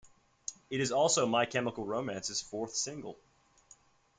It is also My Chemical Romance's fourth single.